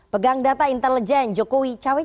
pegang data intelijen jokowi